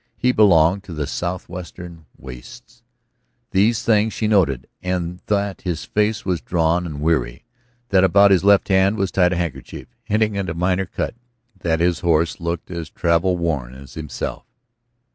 He belonged to the southwestern wastes. These things she noted, and that his face was drawn and weary, that about his left hand was tied a handkerchief, hinting at a minor cut, that his horse looked as travel worn as himself.